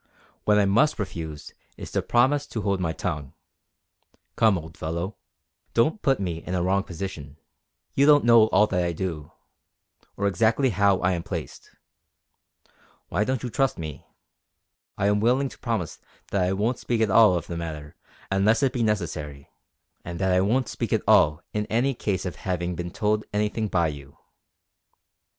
What I must refuse is to promise to hold my tongue. Come, old fellow, don't put me in a wrong position. You don't know all that I do, or exactly how I am placed. Why don't you trust me? I am willing to promise that I won't speak at all of the matter unless it be necessary; and that I won't speak at all in any case of having been told anything by you."